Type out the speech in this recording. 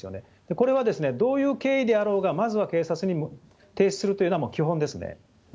これはどういう経緯であろうが、まずは警察に提出するというのは基本ですね。